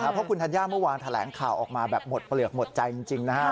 เพราะคุณธัญญาเมื่อวานแถลงข่าวออกมาแบบหมดเปลือกหมดใจจริงนะครับ